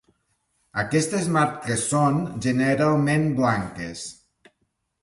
Aquestes marques són, generalment, blanques.